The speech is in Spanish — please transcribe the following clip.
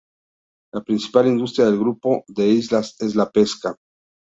La principal industria del grupo de islas es la pesca.